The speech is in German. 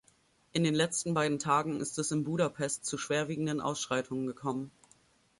In den letzten beiden Tagen ist es in Budapest zu schwerwiegenden Ausschreitungen gekommen.